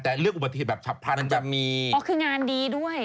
แต่เรื่องอุบัติเหตุแบบฉับพลันจะมีอ๋อคืองานดีด้วย